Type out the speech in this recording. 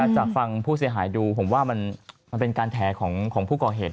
จากฟังผู้เสียหายดูผมว่ามันเป็นการแท้ของผู้ก่อเหตุ